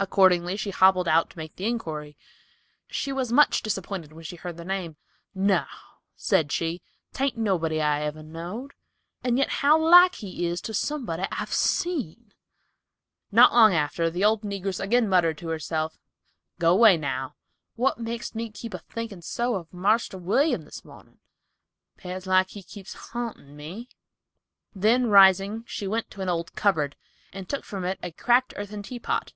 Accordingly she hobbled out to make the inquiry. She was much disappointed when she heard the name. "No," said she, "'tain't nobody I ever knowed, and yet how like he is to somebody I've seen." Not long after the old negress again muttered to herself, "Go way now; what makes me keep a thinkin' so of Marster William this mornin'? 'Pears like he keeps hauntin' me." Then rising she went to an old cupboard, and took from it a cracked earthen teapot.